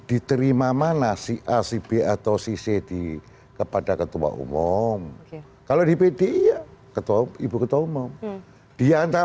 diterima mana si acb atau si cdi kepada ketua umum kalau di pdi iya ketua ibu ketua umum diantara